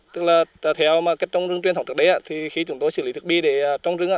tức là theo cách trồng rừng truyền thống trước đấy khi chúng tôi xử lý thức bi để trồng rừng